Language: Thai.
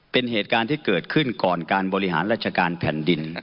เป็นเหตุการณ์ที่เกิดขึ้นก่อนการบริหารราชการแผ่นดิน